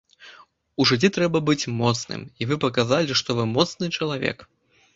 У жыцці трэба быць моцным, і вы паказалі, што вы моцны чалавек.